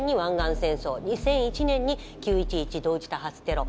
２００１年に９．１１同時多発テロ。